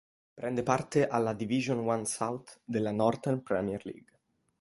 Prende parte alla Division One South della Northern Premier League.